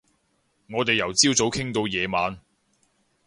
我哋由朝早傾到夜晚